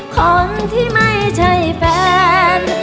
คนที่ไม่ใช่แฟน